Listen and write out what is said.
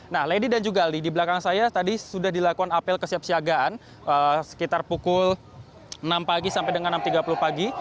nah lady dan juga aldi di belakang saya tadi sudah dilakukan apel kesiapsiagaan sekitar pukul enam pagi sampai dengan enam tiga puluh pagi